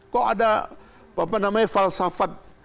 kok ada apa namanya falsafat